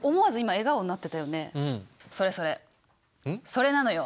それなのよ。